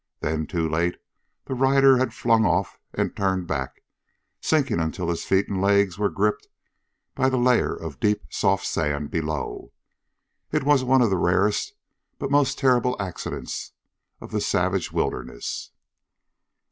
Then, too late, the rider had flung off and turned back, sinking until his feet and legs were gripped by the layer of deep soft sand below. It was one of the rarest but most terrible accidents of the savage wilderness.